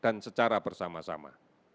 dan secara bersama sama